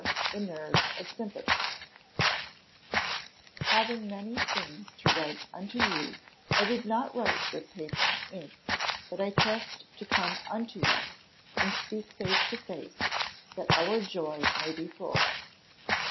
The nerves of sympathy. [Verse: "Having many things to write unto you, I would not write with paper and ink; but I trust to come unto you, and speak face to face, that our joy may be full."